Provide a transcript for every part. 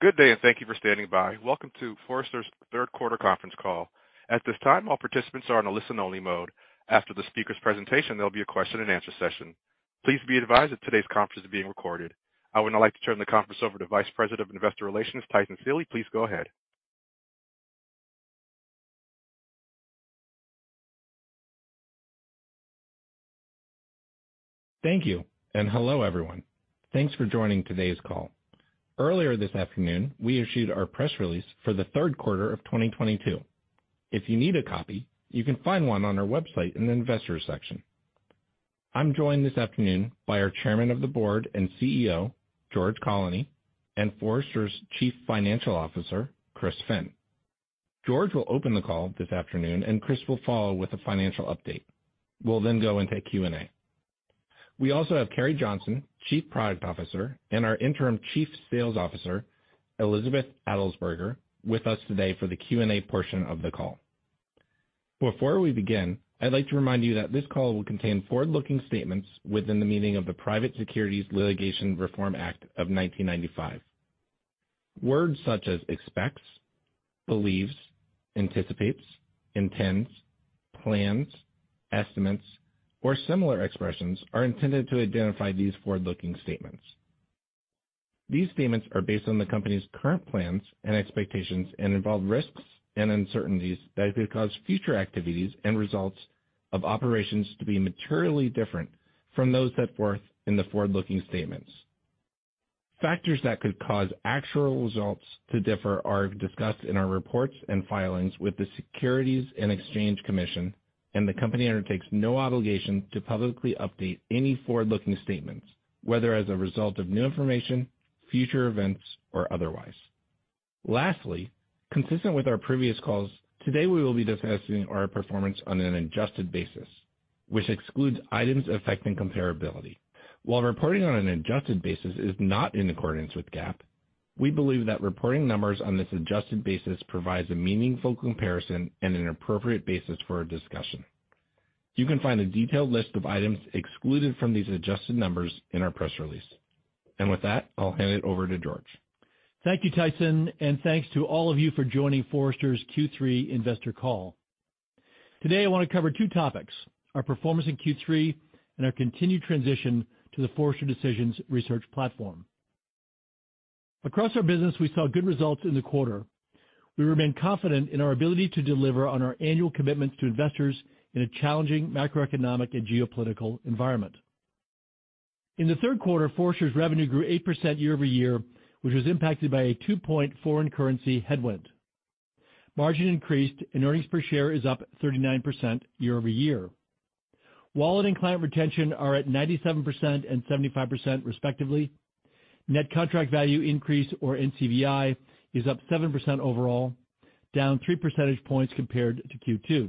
Good day, and thank you for standing by. Welcome to Forrester's third quarter conference call. At this time, all participants are in a listen-only mode. After the speaker's presentation, there'll be a question-and-answer session. Please be advised that today's conference is being recorded. I would now like to turn the conference over to Vice President of Investor Relations, Tyson Seely. Please go ahead. Thank you, and hello, everyone. Thanks for joining today's call. Earlier this afternoon, we issued our press release for the third quarter of 2022. If you need a copy, you can find one on our website in the investor section. I'm joined this afternoon by our Chairman of the Board and CEO, George Colony, and Forrester's Chief Financial Officer, Chris Finn. George will open the call this afternoon, and Chris will follow with a financial update. We'll then go into Q&A. We also have Carrie Johnson, Chief Product Officer, and our interim Chief Sales Officer, Elizabeth Adelsberger, with us today for the Q&A portion of the call. Before we begin, I'd like to remind you that this call will contain forward-looking statements within the meaning of the Private Securities Litigation Reform Act of 1995. Words such as expects, believes, anticipates, intends, plans, estimates, or similar expressions are intended to identify these forward-looking statements. These statements are based on the company's current plans and expectations and involve risks and uncertainties that could cause future activities and results of operations to be materially different from those set forth in the forward-looking statements. Factors that could cause actual results to differ are discussed in our reports and filings with the Securities and Exchange Commission, and the company undertakes no obligation to publicly update any forward-looking statements, whether as a result of new information, future events or otherwise. Lastly, consistent with our previous calls, today we will be discussing our performance on an adjusted basis, which excludes items affecting comparability. While reporting on an adjusted basis is not in accordance with GAAP, we believe that reporting numbers on this adjusted basis provides a meaningful comparison and an appropriate basis for our discussion. You can find a detailed list of items excluded from these adjusted numbers in our press release. With that, I'll hand it over to George. Thank you, Tyson, and thanks to all of you for joining Forrester's Q3 investor call. Today, I wanna cover two topics. Our performance in Q3 and our continued transition to the Forrester Decisions research platform. Across our business, we saw good results in the quarter. We remain confident in our ability to deliver on our annual commitments to investors in a challenging macroeconomic and geopolitical environment. In the third quarter, Forrester's revenue grew 8% year-over-year, which was impacted by a two point foreign currency headwind. Margin increased, and earnings per share is up 39% year-over-year. Wallet and client retention are at 97% and 75% respectively. Net contract value increase or NCVI is up 7% overall, down three percentage points compared to Q2.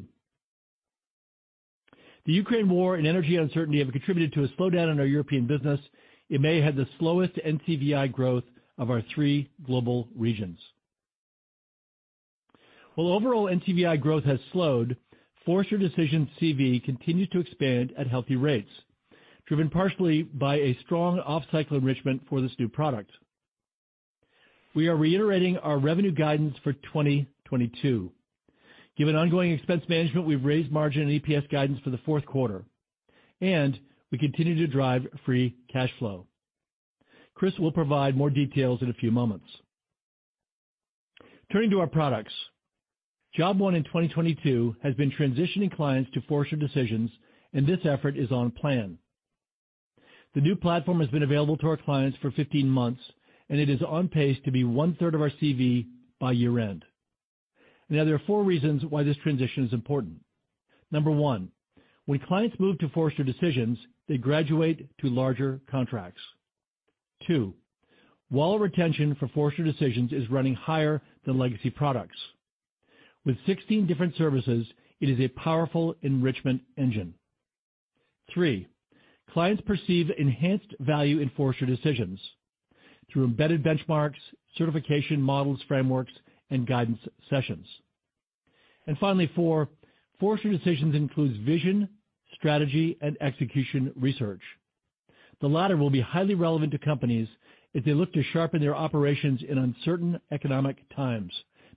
The Ukraine war and energy uncertainty have contributed to a slowdown in our European business. It may have the slowest NCVI growth of our three global regions. While overall NCVI growth has slowed, Forrester Decisions CV continues to expand at healthy rates, driven partially by a strong off-cycle enrichment for this new product. We are reiterating our revenue guidance for 2022. Given ongoing expense management, we've raised margin and EPS guidance for the fourth quarter, and we continue to drive free cash flow. Chris will provide more details in a few moments. Turning to our products. Job one in 2022 has been transitioning clients to Forrester Decisions, and this effort is on plan. The new platform has been available to our clients for 15 months, and it is on pace to be one-third of our CV by year-end. Now, there are four reasons why this transition is important. Number one, when clients move to Forrester Decisions, they graduate to larger contracts. Two, wallet retention for Forrester Decisions is running higher than legacy products. With 16 different services, it is a powerful enrichment engine. Three, clients perceive enhanced value in Forrester Decisions through embedded benchmarks, certification models, frameworks, and guidance sessions. Finally, four, Forrester Decisions includes vision, strategy, and execution research. The latter will be highly relevant to companies as they look to sharpen their operations in uncertain economic times,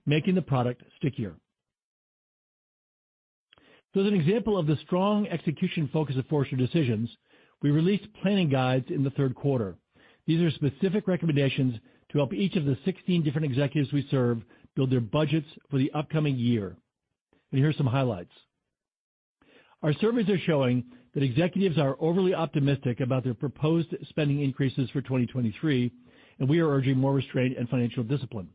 making the product stickier. As an example of the strong execution focus of Forrester Decisions, we released planning guides in the third quarter. These are specific recommendations to help each of the 16 different executives we serve build their budgets for the upcoming year. Here are some highlights. Our surveys are showing that executives are overly optimistic about their proposed spending increases for 2023, and we are urging more restraint and financial discipline.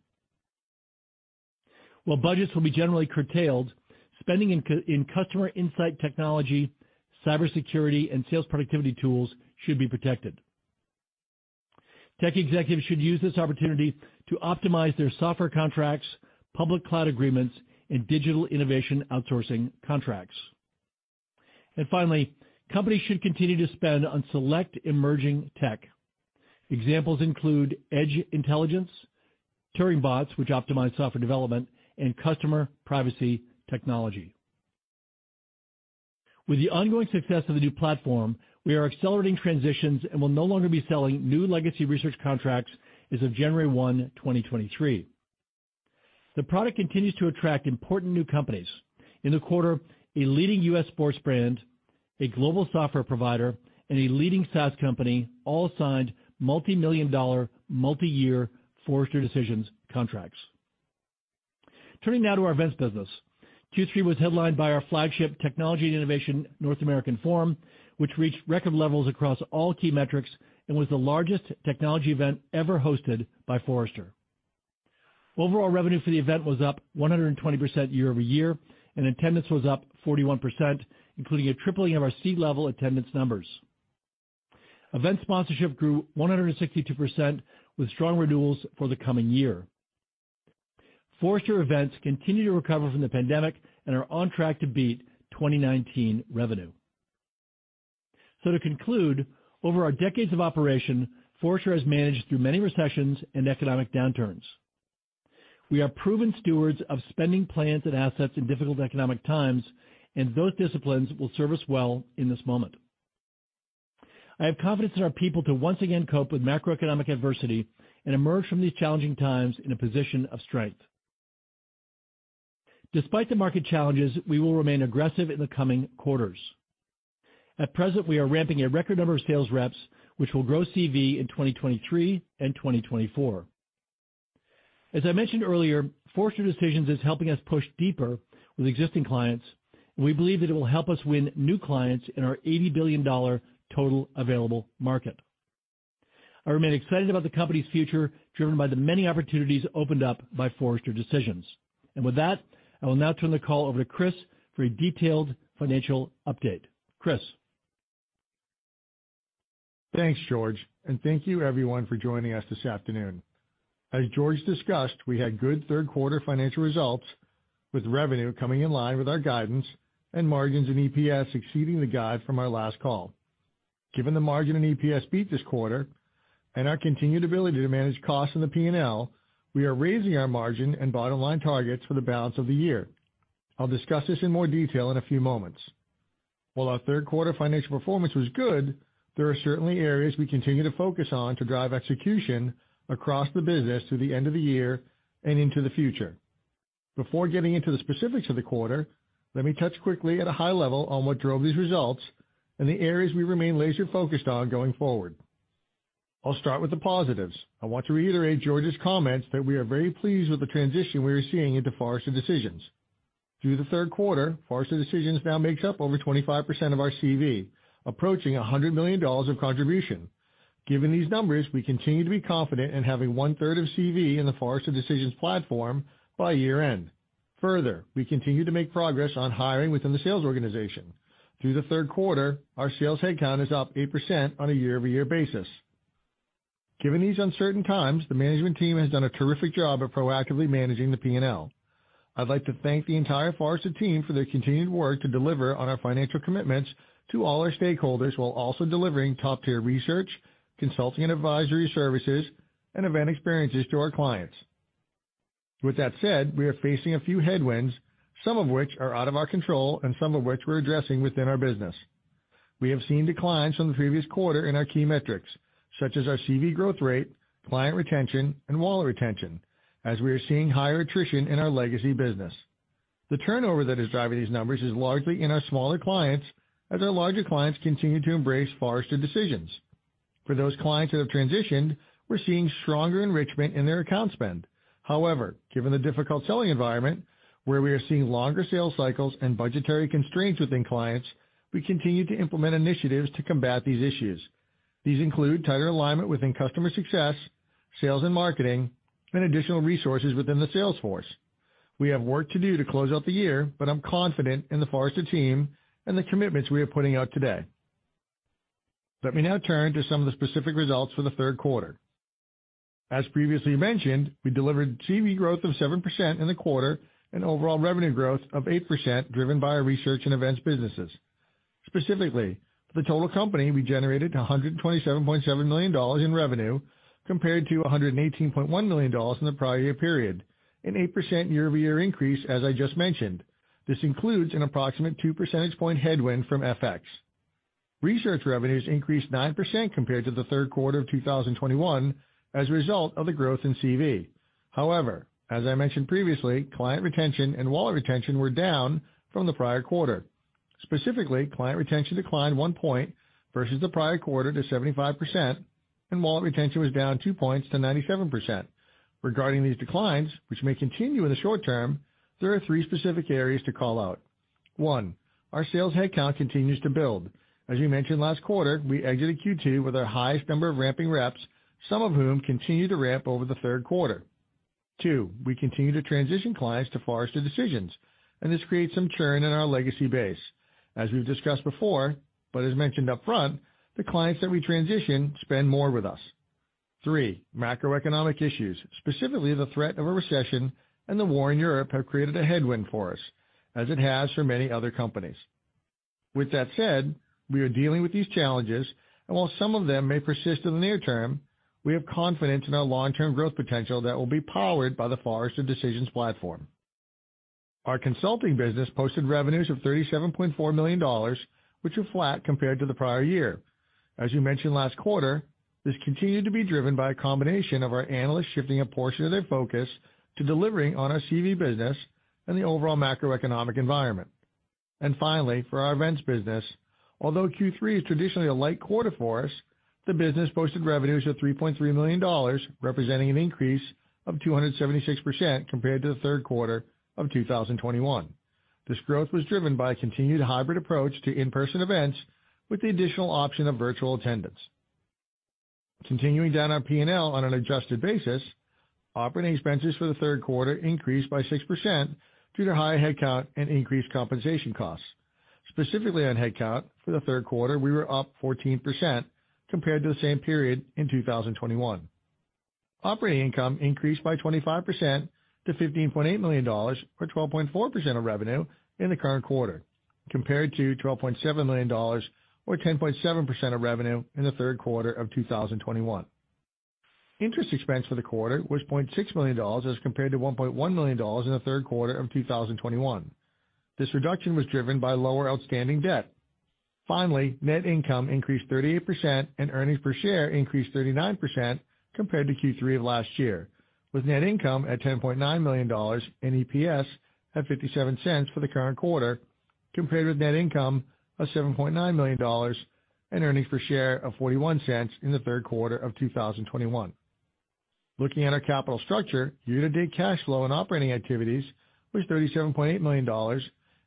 While budgets will be generally curtailed, spending in customer insight technology, cybersecurity, and sales productivity tools should be protected. Tech executives should use this opportunity to optimize their software contracts, public cloud agreements, and digital innovation outsourcing contracts. Finally, companies should continue to spend on select emerging tech. Examples include edge intelligence, TuringBots, which optimize software development, and customer privacy technology. With the ongoing success of the new platform, we are accelerating transitions and will no longer be selling new legacy research contracts as of January 1, 2023. The product continues to attract important new companies. In the quarter, a leading U.S. sports brand, a global software provider, and a leading SaaS company all signed $multi-million, multi-year Forrester Decisions contracts. Turning now to our events business. Q3 was headlined by our flagship Technology & Innovation North America Forum, which reached record levels across all key metrics and was the largest technology event ever hosted by Forrester. Overall revenue for the event was up 120% year-over-year, and attendance was up 41%, including a tripling of our C-level attendance numbers. Event sponsorship grew 162% with strong renewals for the coming year. Forrester events continue to recover from the pandemic and are on track to beat 2019 revenue. To conclude, over our decades of operation, Forrester has managed through many recessions and economic downturns. We are proven stewards of spending plans and assets in difficult economic times, and those disciplines will serve us well in this moment. I have confidence in our people to once again cope with macroeconomic adversity and emerge from these challenging times in a position of strength. Despite the market challenges, we will remain aggressive in the coming quarters. At present, we are ramping a record number of sales reps, which will grow CV in 2023 and 2024. As I mentioned earlier, Forrester Decisions is helping us push deeper with existing clients. We believe that it will help us win new clients in our $80 billion total available market. I remain excited about the company's future, driven by the many opportunities opened up by Forrester Decisions. With that, I will now turn the call over to Chris for a detailed financial update. Chris. Thanks, George, and thank you everyone for joining us this afternoon. As George discussed, we had good third quarter financial results, with revenue coming in line with our guidance and margin and EPS exceeding the guide from our last call. Given the margin and EPS beat this quarter and our continued ability to manage costs in the P&L, we are raising our margin and bottom line targets for the balance of the year. I'll discuss this in more detail in a few moments. While our third quarter financial performance was good, there are certainly areas we continue to focus on to drive execution across the business through the end of the year and into the future. Before getting into the specifics of the quarter, let me touch quickly at a high level on what drove these results and the areas we remain laser-focused on going forward. I'll start with the positives. I want to reiterate George's comments that we are very pleased with the transition we are seeing into Forrester Decisions. Through the third quarter, Forrester Decisions now makes up over 25% of our CV, approaching $100 million of contribution. Given these numbers, we continue to be confident in having one-third of CV in the Forrester Decisions platform by year-end. Further, we continue to make progress on hiring within the sales organization. Through the third quarter, our sales headcount is up 8% on a year-over-year basis. Given these uncertain times, the management team has done a terrific job of proactively managing the P&L. I'd like to thank the entire Forrester team for their continued work to deliver on our financial commitments to all our stakeholders, while also delivering top-tier research, consulting and advisory services, and event experiences to our clients. With that said, we are facing a few headwinds, some of which are out of our control and some of which we're addressing within our business. We have seen declines from the previous quarter in our key metrics, such as our CV growth rate, client retention, and wallet retention, as we are seeing higher attrition in our legacy business. The turnover that is driving these numbers is largely in our smaller clients as our larger clients continue to embrace Forrester Decisions. For those clients that have transitioned, we're seeing stronger enrichment in their account spend. However, given the difficult selling environment where we are seeing longer sales cycles and budgetary constraints within clients, we continue to implement initiatives to combat these issues. These include tighter alignment within customer success, sales and marketing, and additional resources within the sales force. We have work to do to close out the year, but I'm confident in the Forrester team and the commitments we are putting out today. Let me now turn to some of the specific results for the third quarter. As previously mentioned, we delivered CV growth of 7% in the quarter and overall revenue growth of 8%, driven by our research and events businesses. Specifically, for the total company, we generated $127.7 million in revenue compared to $118.1 million in the prior year period, an 8% year-over-year increase as I just mentioned. This includes an approximate two percentage point headwind from FX. Research revenues increased 9% compared to the third quarter of 2021 as a result of the growth in CV. However, as I mentioned previously, client retention and wallet retention were down from the prior quarter. Specifically, client retention declined one point versus the prior quarter to 75%, and wallet retention was down two points to 97%. Regarding these declines, which may continue in the short term, there are three specific areas to call out. One, our sales headcount continues to build. As we mentioned last quarter, we exited Q2 with our highest number of ramping reps, some of whom continued to ramp over the third quarter. Two, we continue to transition clients to Forrester Decisions, and this creates some churn in our legacy base. As we've discussed before, but as mentioned upfront, the clients that we transition spend more with us. Three macroeconomic issues, specifically the threat of a recession and the war in Europe, have created a headwind for us, as it has for many other companies. With that said, we are dealing with these challenges, and while some of them may persist in the near term. We have confidence in our long-term growth potential that will be powered by the Forrester Decisions platform. Our consulting business posted revenues of $37.4 million, which were flat compared to the prior year. As you mentioned last quarter, this continued to be driven by a combination of our analysts shifting a portion of their focus to delivering on our CV business and the overall macroeconomic environment. Finally, for our events business, although Q3 is traditionally a light quarter for us, the business posted revenues of $3.3 million, representing an increase of 276% compared to the third quarter of 2021. This growth was driven by a continued hybrid approach to in-person events with the additional option of virtual attendance. Continuing down our P&L on an adjusted basis, operating expenses for the third quarter increased by 6% due to higher headcount and increased compensation costs. Specifically on headcount, for the third quarter, we were up 14% compared to the same period in 2021. Operating income increased by 25% to $15.8 million, or 12.4% of revenue in the current quarter, compared to $12.7 million or 10.7% of revenue in the third quarter of 2021. Interest expense for the quarter was $0.6 million as compared to $1.1 million in the third quarter of 2021. This reduction was driven by lower outstanding debt. Net income increased 38% and earnings per share increased 39% compared to Q3 of last year, with net income at $10.9 million and EPS at $0.57 for the current quarter, compared with net income of $7.9 million and earnings per share of $0.41 in the third quarter of 2021. Looking at our capital structure, year-to-date cash flow and operating activities was $37.8 million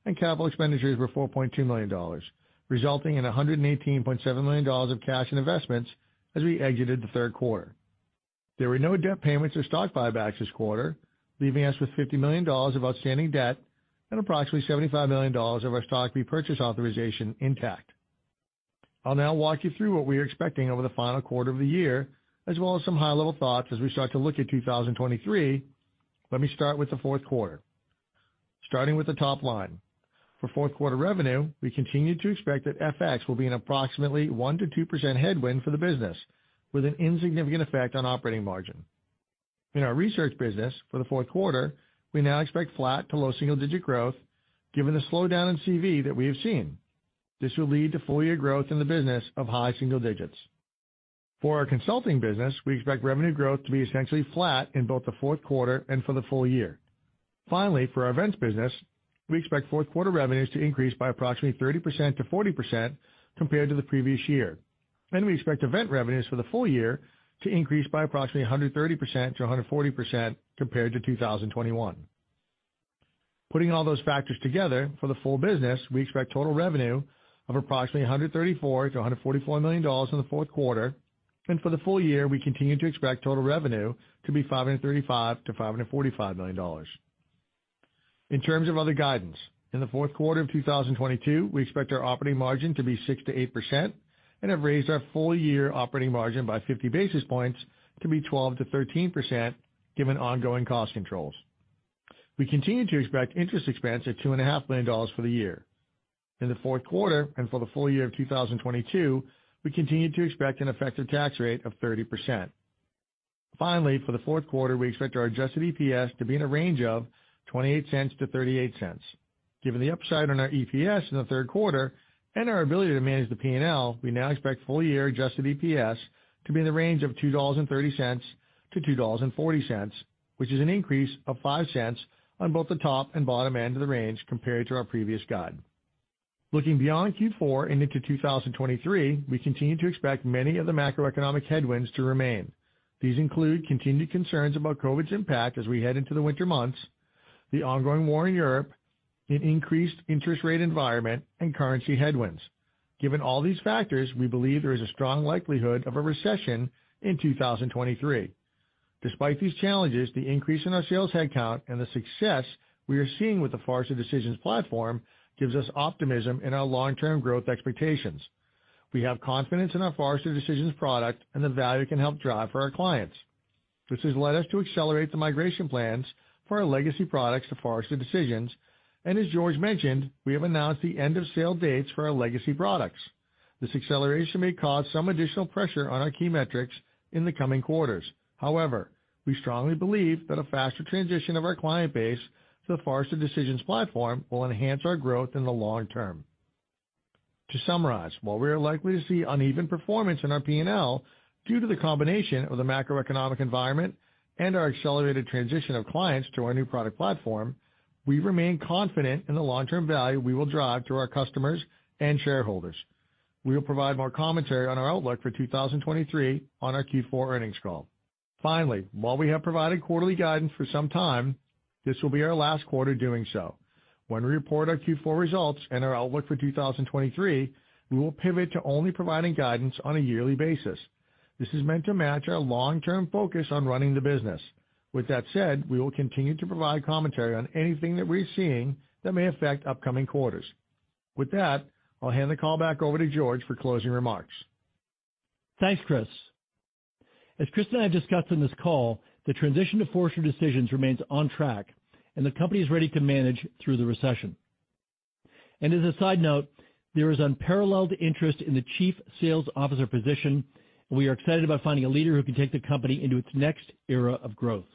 and capital expenditures were $4.2 million, resulting in $118.7 million of cash and investments as we exited the third quarter. There were no debt payments or stock buybacks this quarter, leaving us with $50 million of outstanding debt and approximately $75 million of our stock repurchase authorization intact. I'll now walk you through what we are expecting over the final quarter of the year, as well as some high-level thoughts as we start to look at 2023. Let me start with the fourth quarter. Starting with the top line. For fourth quarter revenue, we continue to expect that FX will be an approximately 1%-2% headwind for the business, with an insignificant effect on operating margin. In our research business for the fourth quarter, we now expect flat to low single-digit growth given the slowdown in CV that we have seen. This will lead to full year growth in the business of high single-digit %. For our consulting business, we expect revenue growth to be essentially flat in both the fourth quarter and for the full year. Finally, for our events business, we expect fourth quarter revenues to increase by approximately 30%-40% compared to the previous year. We expect event revenues for the full year to increase by approximately 130%-140% compared to 2021. Putting all those factors together, for the full business, we expect total revenue of approximately $134 million-$144 million in the fourth quarter. For the full year, we continue to expect total revenue to be $535 million-$545 million. In terms of other guidance, in the fourth quarter of 2022, we expect our operating margin to be 6%-8% and have raised our full year operating margin by 50 basis points to be 12%-13% given ongoing cost controls. We continue to expect interest expense of $2.5 million for the year. In the fourth quarter and for the full year of 2022, we continue to expect an effective tax rate of 30%. Finally, for the fourth quarter, we expect our adjusted EPS to be in a range of $0.28-$0.38. Given the upside on our EPS in the third quarter and our ability to manage the P&L, we now expect full year adjusted EPS to be in the range of $2.30-$2.40, which is an increase of $0.05 on both the top and bottom end of the range compared to our previous guide. Looking beyond Q4 and into 2023, we continue to expect many of the macroeconomic headwinds to remain. These include continued concerns about COVID's impact as we head into the winter months, the ongoing war in Europe, an increased interest rate environment, and currency headwinds. Given all these factors, we believe there is a strong likelihood of a recession in 2023. Despite these challenges, the increase in our sales headcount and the success we are seeing with the Forrester Decisions platform gives us optimism in our long-term growth expectations. We have confidence in our Forrester Decisions product and the value it can help drive for our clients. This has led us to accelerate the migration plans for our legacy products to Forrester Decisions. As George mentioned, we have announced the end of sale dates for our legacy products. This acceleration may cause some additional pressure on our key metrics in the coming quarters. However, we strongly believe that a faster transition of our client base to the Forrester Decisions platform will enhance our growth in the long term. To summarize, while we are likely to see uneven performance in our P&L due to the combination of the macroeconomic environment and our accelerated transition of clients to our new product platform, we remain confident in the long-term value we will drive to our customers and shareholders. We will provide more commentary on our outlook for 2023 on our Q4 earnings call. Finally, while we have provided quarterly guidance for some time, this will be our last quarter doing so. When we report our Q4 results and our outlook for 2023, we will pivot to only providing guidance on a yearly basis. This is meant to match our long-term focus on running the business. With that said, we will continue to provide commentary on anything that we're seeing that may affect upcoming quarters. With that, I'll hand the call back over to George for closing remarks. Thanks, Chris. As Chris and I have discussed on this call, the transition to Forrester Decisions remains on track, and the company is ready to manage through the recession. As a side note, there is unparalleled interest in the chief sales officer position, and we are excited about finding a leader who can take the company into its next era of growth.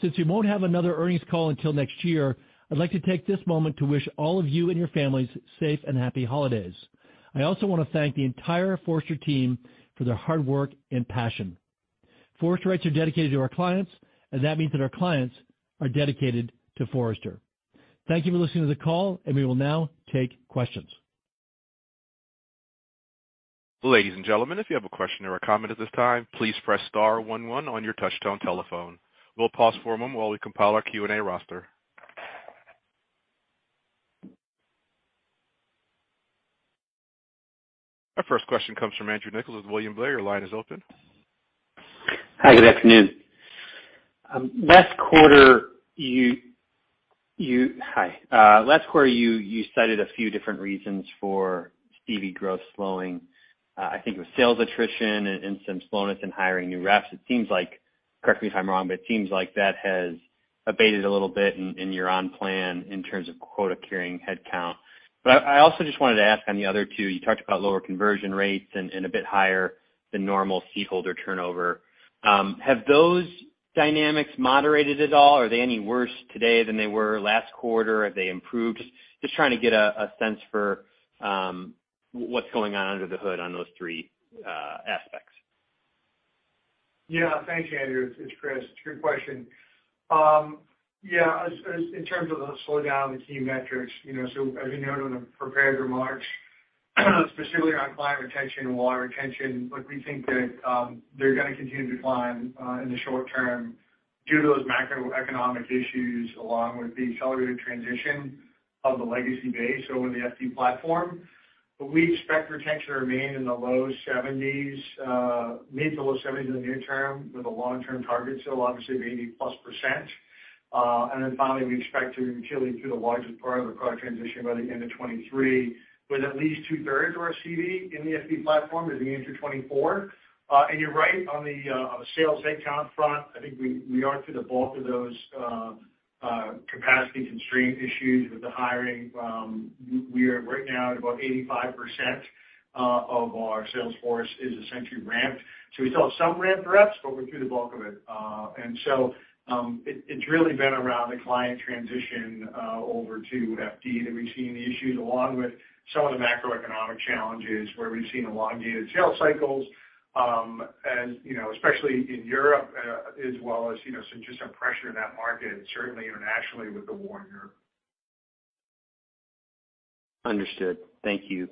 Since we won't have another earnings call until next year, I'd like to take this moment to wish all of you and your families safe and happy holidays. I also wanna thank the entire Forrester team for their hard work and passion. Forresterites are dedicated to our clients, and that means that our clients are dedicated to Forrester. Thank you for listening to the call, and we will now take questions. Ladies and gentlemen, if you have a question or a comment at this time, please press star one one on your touchtone telephone. We'll pause for a moment while we compile our Q&A roster. Our first question comes from Andrew Nicholas with William Blair. Your line is open. Hi, good afternoon. Last quarter, you cited a few different reasons for CV growth slowing. I think it was sales attrition and some slowness in hiring new reps. It seems like, correct me if I'm wrong, but it seems like that has abated a little bit and you're on plan in terms of quota-carrying headcount. I also just wanted to ask on the other two. You talked about lower conversion rates and a bit higher than normal seat holder turnover. Have those dynamics moderated at all? Are they any worse today than they were last quarter? Have they improved? Just trying to get a sense for what's going on under the hood on those three aspects. Yeah. Thanks, Andrew. It's Chris. Good question. As in terms of the slowdown in the key metrics, you know, as we noted on the prepared remarks, specifically on client retention and wallet retention, look, we think that they're gonna continue to decline in the short term due to those macroeconomic issues, along with the accelerated transition of the legacy base over the FD platform. We expect retention to remain in the low 70s%, mid- to low 70s% in the near term, with a long-term target still obviously of 80%+. Then finally, we expect to be through the largest part of the product transition by the end of 2023, with at least two-thirds of our CV in the FD platform at the end of 2024. You're right on the sales headcount front. I think we are through the bulk of those capacity constraint issues with the hiring. We are right now at about 85% of our sales force is essentially ramped. We still have some ramped reps, but we're through the bulk of it. It's really been around the client transition over to FD that we've seen the issues, along with some of the macroeconomic challenges, where we've seen elongated sales cycles, as you know, especially in Europe, as well as you know, so just some pressure in that market, certainly internationally with the war in Europe. Understood. Thank you.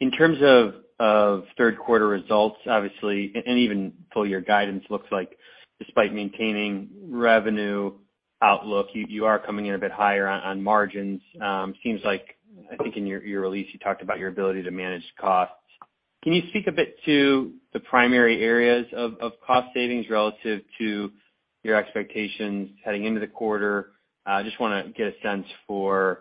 In terms of third quarter results, obviously, and even full year guidance looks like despite maintaining revenue outlook, you are coming in a bit higher on margins. Seems like, I think in your release you talked about your ability to manage costs. Can you speak a bit to the primary areas of cost savings relative to your expectations heading into the quarter? Just wanna get a sense for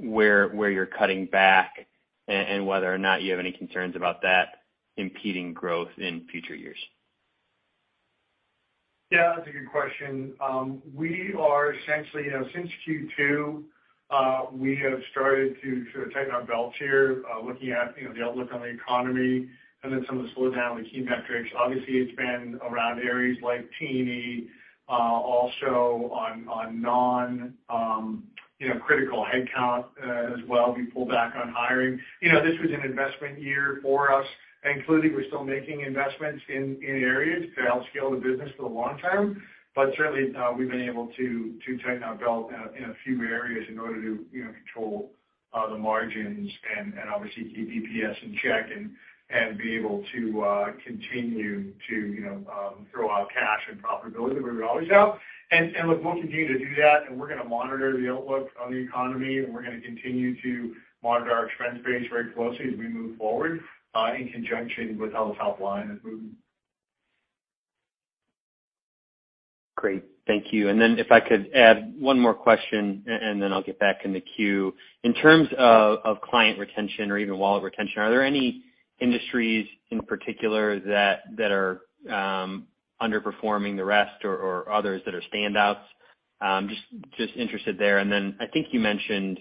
where you're cutting back and whether or not you have any concerns about that impeding growth in future years. Yeah, that's a good question. We are essentially, you know, since Q2, we have started to sort of tighten our belts here, looking at, you know, the outlook on the economy and then some of the slowdown in the key metrics. Obviously, it's been around areas like T&E. Also on non-critical headcount, as well, we pulled back on hiring. You know, this was an investment year for us, including we're still making investments in areas to help scale the business for the long term. Certainly, we've been able to tighten our belt in a few areas in order to, you know, control the margins and obviously keep EPS in check and be able to continue to, you know, throw off cash and profitability that we always have. Look, we'll continue to do that, and we're gonna monitor the outlook on the economy, and we're gonna continue to monitor our expense base very closely as we move forward in conjunction with how the top line is moving. Great. Thank you. Then if I could add one more question, and then I'll get back in the queue. In terms of client retention or even wallet retention, are there any industries in particular that are underperforming the rest or others that are standouts? Just interested there. I think you mentioned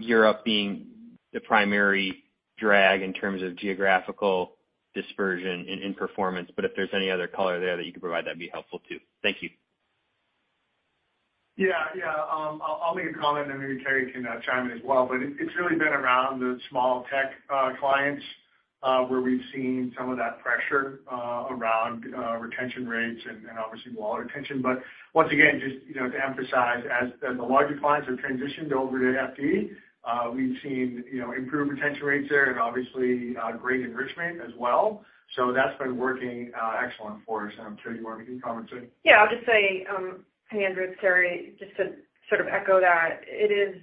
Europe being the primary drag in terms of geographical dispersion in performance, but if there's any other color there that you could provide, that'd be helpful too. Thank you. Yeah. I'll make a comment and maybe Carrie can chime in as well. It's really been around the small tech clients where we've seen some of that pressure around retention rates and obviously wallet retention. Once again, just, you know, to emphasize, as the larger clients have transitioned over to FD, we've seen, you know, improved retention rates there and obviously great enrichment as well. That's been working excellent for us, and I'm sure you want to make any comments there. Yeah, I'll just say, Andrew and Carrie, just to sort of echo that, it is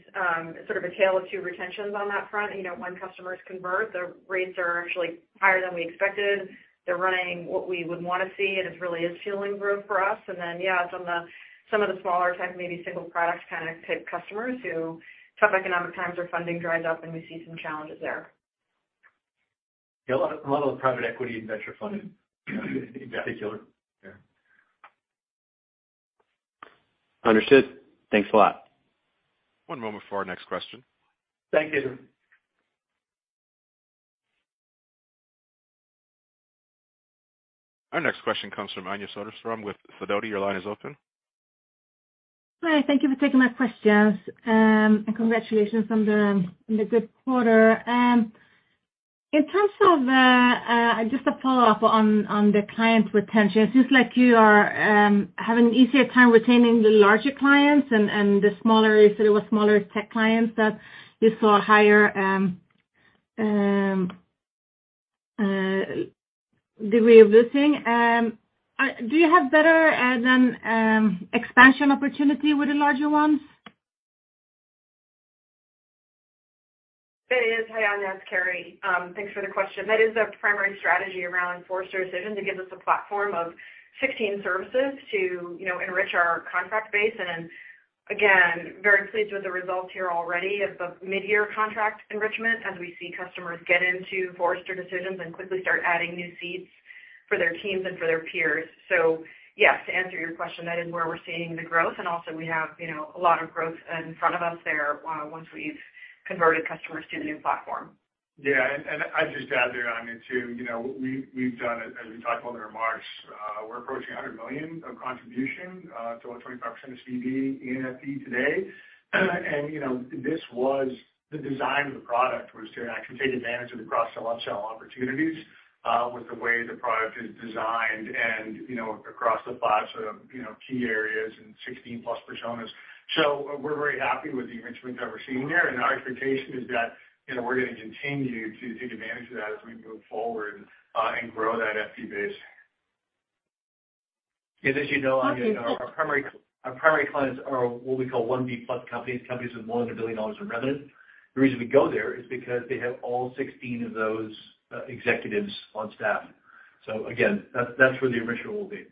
sort of a tale of two retentions on that front. You know, when customers convert, their rates are actually higher than we expected. They're running what we would wanna see, and it really is fueling growth for us. Then, yeah, it's on some of the smaller tech, maybe single product kind of type customers in tough economic times or funding dries up, and we see some challenges there. Yeah, a lot of private equity and venture funding in particular. Yeah. Understood. Thanks a lot. One moment for our next question. Thank you. Our next question comes from Anja Soderstrom with Sidoti. Your line is open. Hi. Thank you for taking my questions. Congratulations on the good quarter. In terms of just a follow-up on the client retention, it seems like you are having an easier time retaining the larger clients and the smaller, sort of, smaller tech clients that you saw higher degree of losing. Do you have better expansion opportunity with the larger ones? It is. Hi, Anja, it's Carrie. Thanks for the question. That is our primary strategy around Forrester Decisions to give us a platform of 16 services to, you know, enrich our contract base. Again, very pleased with the results here already of the midyear contract enrichment as we see customers get into Forrester Decisions and quickly start adding new seats for their teams and for their peers. Yes, to answer your question, that is where we're seeing the growth. Also we have, you know, a lot of growth in front of us there, once we've converted customers to the new platform. Yeah. I'd just add there, Anja, too. You know, we've done, as we talked about in our remarks, we're approaching $100 million of contribution to 25% of CV in FD today. You know, this was the design of the product, was to actually take advantage of the cross sell/upsell opportunities with the way the product is designed. You know, across the five sort of key areas and 16+ personas. We're very happy with the enrichments that we're seeing there. Our expectation is that, you know, we're gonna continue to take advantage of that as we move forward and grow that FD base. Yeah. As you know, Anja, our primary clients are what we call 1B+ companies with more than $1 billion in revenue. The reason we go there is because they have all 16 of those executives on staff. Again, that's where the enrichment will be.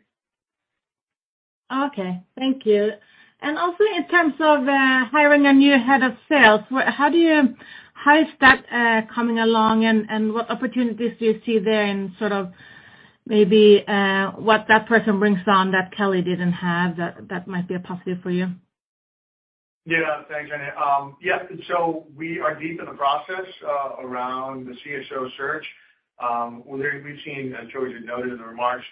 Okay. Thank you. Also in terms of hiring a new head of sales, how is that coming along? What opportunities do you see there and sort of maybe what that person brings on that Kelley didn't have that might be a positive for you? Yeah. Thanks, Anja. We are deep in the process around the CSO search. We've seen, as George had noted in the remarks,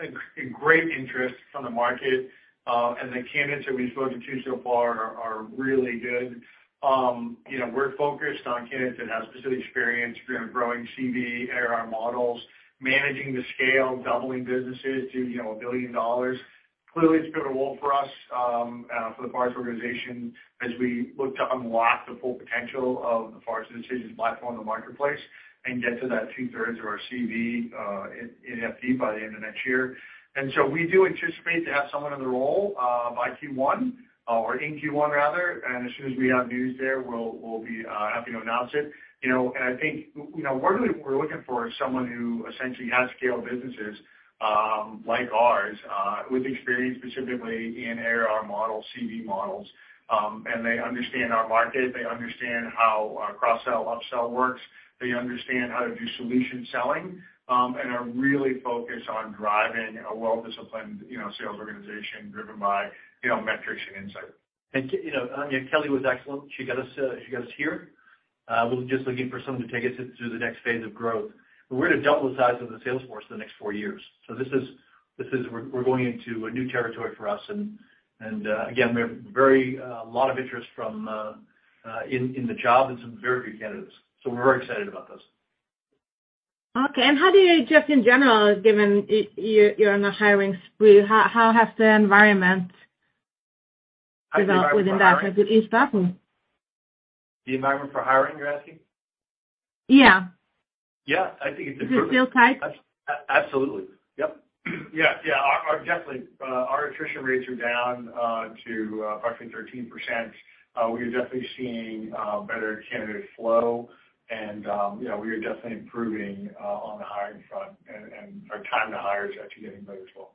a great interest from the market, and the candidates that we've spoken to so far are really good. You know, we're focused on candidates that have specific experience growing CV, ARR models, managing the scale, doubling businesses to, you know, $1 billion. Clearly, it's been a role for us for the Forrester organization as we look to unlock the full potential of the Forrester Decisions platform in the marketplace, and get to that two-thirds of our CV in FP by the end of next year. We do anticipate to have someone in the role by Q1, or in Q1, rather. As soon as we have news there, we'll be happy to announce it. You know, I think, you know, we're really looking for someone who essentially has scaled businesses like ours with experience specifically in ARR model, CV models, and they understand our market, they understand how our cross-sell/upsell works. They understand how to do solution selling, and are really focused on driving a well-disciplined, you know, sales organization driven by, you know, metrics and insight. You know, Anja, Kelly was excellent. She got us here. We're just looking for someone to take us through the next phase of growth. We're to double the size of the sales force in the next four years. This is. We're going into a new territory for us. Again, we have a lot of interest in the job and some very good candidates. We're very excited about this. Okay. How do you just in general, given you're on a hiring spree, how has the environment developed within that? Like with each battle? The environment for hiring, you're asking? Yeah. Yeah. I think it's Does it feel tight? Absolutely. Yep. Our attrition rates are definitely down to roughly 13%. We are definitely seeing better candidate flow and, you know, we are definitely improving on the hiring front and our time to hire is actually getting better as well.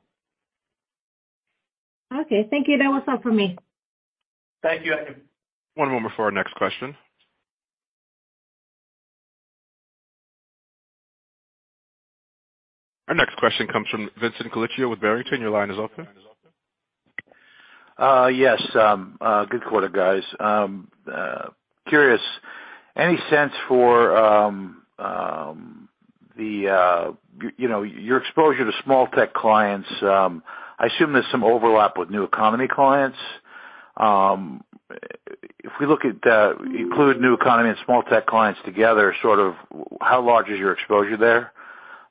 Okay, thank you. That was all for me. Thank you, Anja. One moment before our next question. Our next question comes from Vincent Colicchio with Barrington. Your line is open. Yes. Good quarter, guys. Curious, any sense for you know, your exposure to small tech clients? I assume there's some overlap with new economy clients. If we look at including new economy and small tech clients together, sort of how large is your exposure there?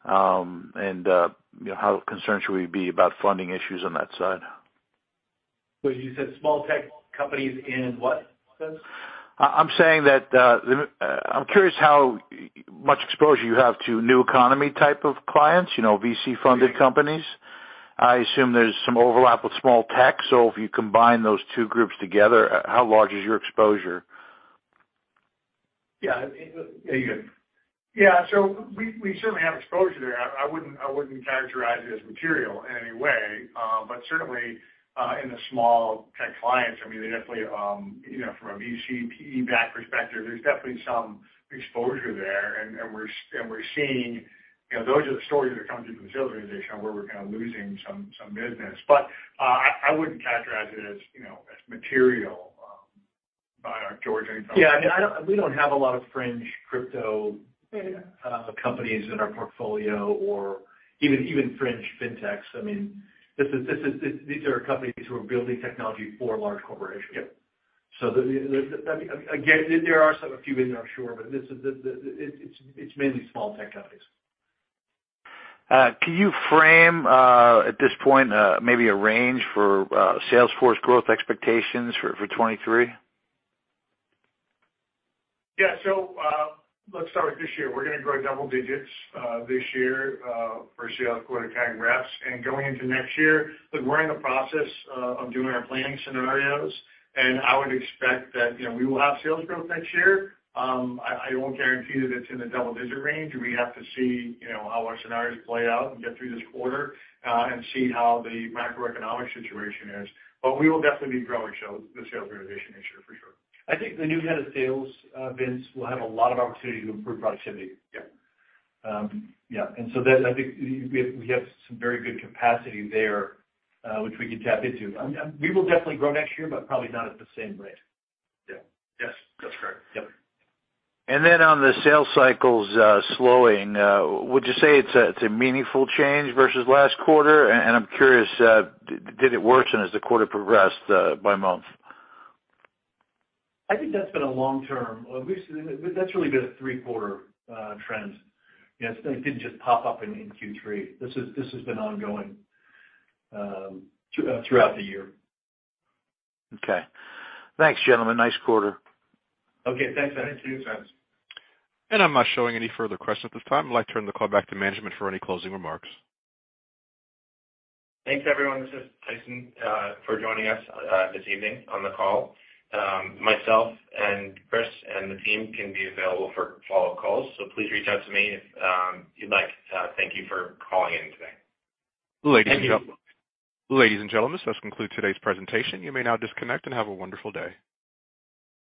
You know, how concerned should we be about funding issues on that side? You said small tech companies and what, Vince? I'm curious how much exposure you have to new economy type of clients, you know, VC-funded companies. I assume there's some overlap with small tech. If you combine those two groups together, how large is your exposure? Yeah. You go ahead. We certainly have exposure there. I wouldn't characterize it as material in any way. Certainly in the small tech clients, I mean they definitely you know from a VC/PE-backed perspective there's definitely some exposure there. We're seeing you know those are the stories that are coming through from the sales organization on where we're kind of losing some business. I wouldn't characterize it as you know as material by our geographic account. Yeah, I mean, we don't have a lot of fringe crypto companies in our portfolio or even fringe fintechs. I mean, this is. These are companies who are building technology for large corporations. Yep. Again, there are some, a few in there, sure. It's mainly small tech companies. Can you frame, at this point, maybe a range for sales force growth expectations for 2023? Yeah. Let's start with this year. We're gonna grow double digits this year for sales quota targets. Going into next year, look, we're in the process of doing our planning scenarios, and I would expect that, you know, we will have sales growth next year. I won't guarantee that it's in the double-digit range. We have to see, you know, how our scenarios play out and get through this quarter and see how the macroeconomic situation is. We will definitely be growing the sales organization next year for sure. I think the new head of sales, Vince, will have a lot of opportunity to improve productivity. Yeah. Yeah. I think we have some very good capacity there, which we can tap into. We will definitely grow next year, but probably not at the same rate. Yeah. Yes, that's correct. Yep. On the sales cycles slowing, would you say it's a meaningful change versus last quarter? I'm curious, did it worsen as the quarter progressed by month? I think that's been a long term. At least that's really been a three-quarter trend. You know, it didn't just pop up in Q3. This has been ongoing throughout the year. Okay. Thanks, gentlemen. Nice quarter. Okay, thanks. Thanks. I'm not showing any further questions at this time. I'd like to turn the call back to management for any closing remarks. Thanks, everyone. This is Tyson for joining us this evening on the call. Myself and Chris and the team can be available for follow-up calls, so please reach out to me if you'd like. Thank you for calling in today. Ladies and gentlemen, this does conclude today's presentation. You may now disconnect and have a wonderful day.